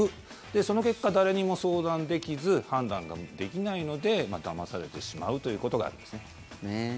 その結果、誰にも相談できず判断ができないのでだまされてしまうということがありますね。